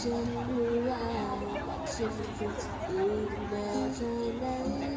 โอเค